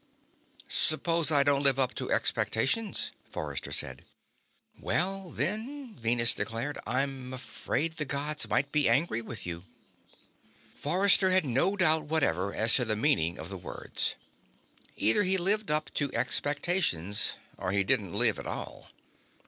"Suppose I don't live up to expectations," Forrester said. "Well, then," Venus declared, "I'm afraid the Gods might be angry with you." Forrester had no doubt whatever as to the meaning of the words. Either he lived up to expectations or he didn't live at all.